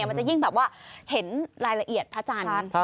มันจะยิ่งเห็นรายละเอียดพระจันทร์